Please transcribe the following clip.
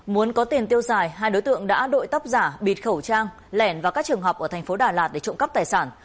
muốn có tiền tiêu xài hai đối tượng đã đội tóc giả bịt khẩu trang lẻn vào các trường học ở thành phố đà lạt để trộm cắp tài sản